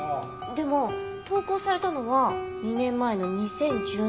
でも投稿されたのは２年前の２０１７年。